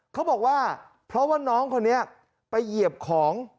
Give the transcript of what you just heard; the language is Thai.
เขาบอกว่าเพราะว่าน้องคนนี้ไปเหยียบของ